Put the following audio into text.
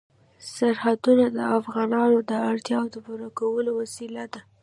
سرحدونه د افغانانو د اړتیاوو د پوره کولو وسیله ده.